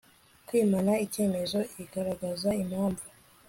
kwimana icyemezo igaragaza impamvu